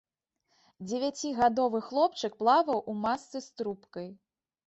Дзевяцігадовы хлопчык плаваў у масцы з трубкай.